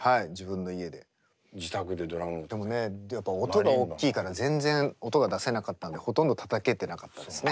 でもねやっぱ音がおっきいから全然音が出せなかったんでほとんどたたけてなかったですね。